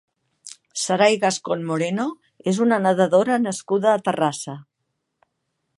Sarai Gascón Moreno és una nedadora nascuda a Terrassa.